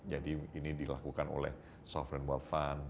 jadi ini dilakukan oleh sovereign wealth fund